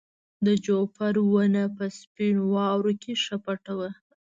د جوپر ونه په سپینو واورو کې ښه پټه وه.